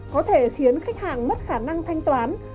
có thể khiến khách hàng mất khả năng thanh toán